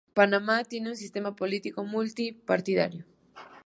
Panamá tiene un sistema político multi-partidiario.